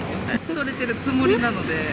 とれてるつもりなので。